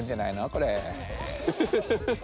これ。